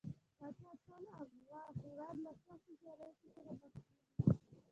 پاچا تل هيواد له سختو شرايطو سره مخ کوي .